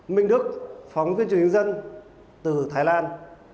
minh đức phóng viên chủ nhân dân thái lan